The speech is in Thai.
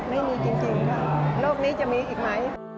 ไม่มีจริงนะ